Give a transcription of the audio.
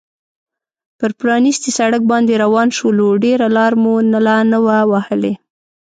پر پرانیستي سړک باندې روان شولو، ډېره لار مو لا نه وه وهلې.